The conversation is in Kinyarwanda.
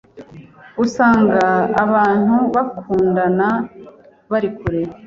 Usanga abantu bakundana bari kure,